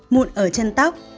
mụn ở chân tóc